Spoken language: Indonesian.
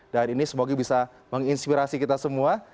dan ini semoga bisa menginspirasi kita semua